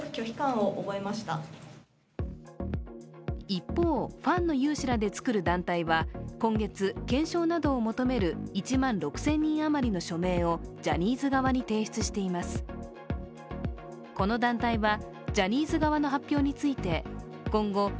一方、ファンの有志らで作る団体は今月、検証などを求める１万６０００人余りの署名をジャニーズ側に提出しています。